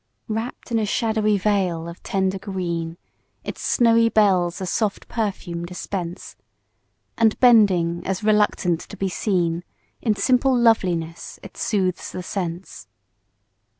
Wrapp'd in a shadowy veil of tender green, Its snowy bells a soft perfume dispense, And bending as reluctant to be seen, In simple loveliness it sooths the sense.